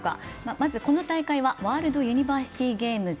まずこの大会はワールドユニバーシティゲームズ。